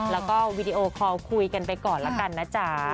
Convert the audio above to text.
แล้วก็วีดีโอคอลคุยกันไปก่อนละกันนะจ๊ะ